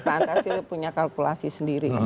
pak antasi punya kalkulasi sendiri